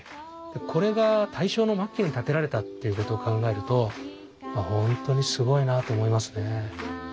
これが大正の末期に建てられたっていうことを考えると本当にすごいなと思いますね。